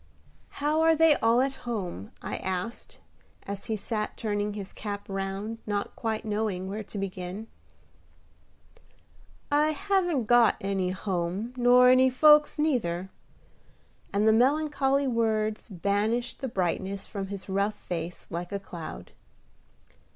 "How are they all at home?" I asked, as he sat turning his cap round, not quite knowing where to begin. "I haven't got any home nor any folks neither;" and the melancholy words banished the brightness from his rough face like a cloud.